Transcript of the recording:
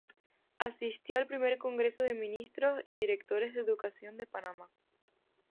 Asistió al primer Congreso de Ministros y Directores de Educación de Panamá.